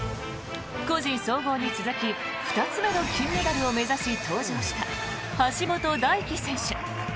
個人総合に続き２つ目の金メダルを目指し登場した橋本大輝選手。